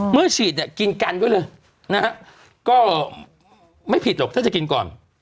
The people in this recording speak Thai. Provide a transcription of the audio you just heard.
ฉีดเนี่ยกินกันด้วยเลยนะฮะก็ไม่ผิดหรอกถ้าจะกินก่อน